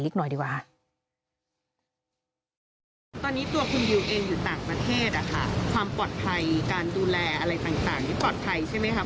นึกหน่อยดีกว่าตอนนี้ตัวคืนอยู่จากประเทศความปลอดภัยการดูแลอะไรต่าง